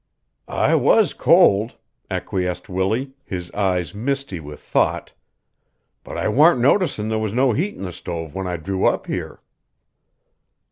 "I was cold," acquiesced Willie, his eyes misty with thought. "But I warn't noticin' there was no heat in the stove when I drew up here."